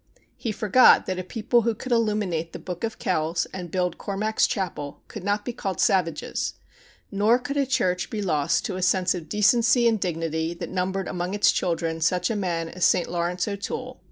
He forgot that a people who could illuminate the Book of Kells and build Cormac's Chapel could not be called savages, nor could a church be lost to a sense of decency and dignity that numbered among its children such a man as St. Laurence O'Toole.